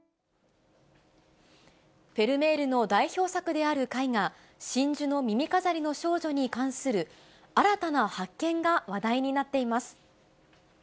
フェルメールの代表作である絵画、真珠の耳飾りの少女に関する新たな発見が話題になっています。